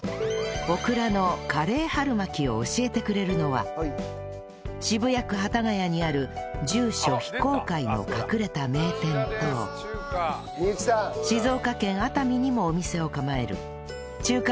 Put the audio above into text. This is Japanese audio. オクラのカレー春巻きを教えてくれるのは渋谷区幡ヶ谷にある住所非公開の隠れた名店と静岡県熱海にもお店を構える中華